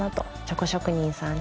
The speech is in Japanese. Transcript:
チョコ職人さん